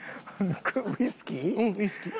ウイスキー？